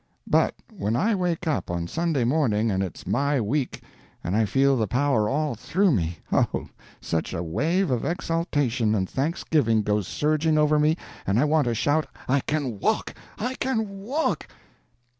But when I wake up, on Sunday morning, and it's my week and I feel the power all through me, oh, such a wave of exultation and thanksgiving goes surging over me, and I want to shout 'I can walk! I can walk!'